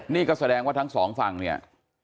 นี่ก็แสดงว่าทั้งสองฝั่งเนี่ย